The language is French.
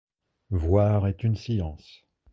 Voir est une science.